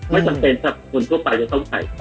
ไม่จำเป็นครับคนทั่วไปจะต้องใส่